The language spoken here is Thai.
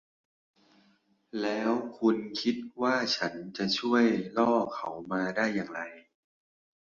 แล้วคุณคิดว่าฉันจะช่วยล่อเขามาได้อย่างไร ?